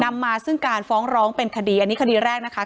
นำมาซึ่งการฟ้องร้องเป็นคดีอันนี้คดีแรกนะคะ